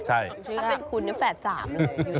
ถ้าเป็นคุณเนี่ยแฝดสามเลย